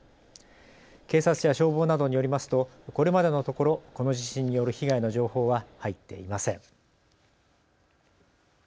警察や消防などによりますとこれまでのところこの地震による被害の情報は入っていません。